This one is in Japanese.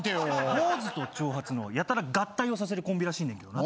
モノマネ坊主と長髪のやたら合体をさせるコンビらしいねんけどな。